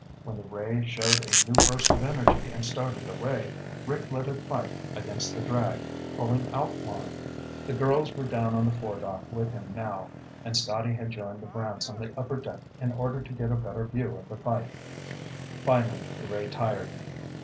When the ray showed a new burst of energy and started away, Rick let it fight against the drag, pulling out line. The girls were down on the foredeck with him now, and Scotty had joined the Brants on the upper deck in order to get a better view of the fight. Finally, the ray tired.